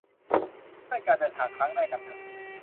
เลื่อนการเดินทางครั้งแรกกันเถอะ